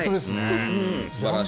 素晴らしい。